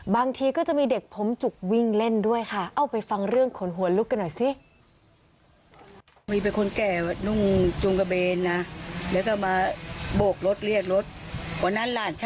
บางทีก็จะมีเด็กผมจุกวิ่งเล่นด้วยค่ะ